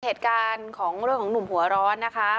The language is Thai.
เหตุการณ์ของเรื่องของหนุ่มหัวร้อนนะคะ